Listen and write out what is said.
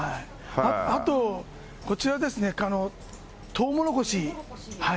あとこちらですね、トウモロコシ。